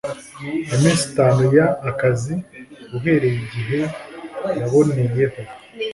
iminsi itanu y akazi uhereye igihe yaboneyeho